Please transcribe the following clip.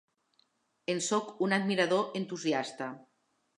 En soc un admirador entusiasta.